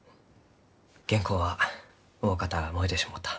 原稿はおおかた燃えてしもうた。